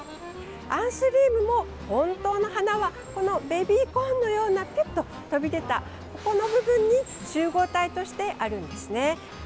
アンスリウムも本当の花はこのベビーコーンのようなペッと飛び出た、この部分に集合体としてあるんですね。